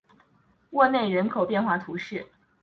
沃内人口变化图示